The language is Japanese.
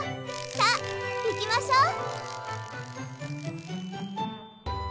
さあいきましょう！